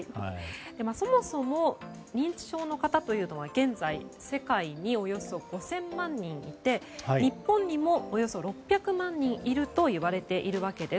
そもそも認知症の方というのは現在、世界におよそ５０００万人いて日本にもおよそ６００万人いるといわれています。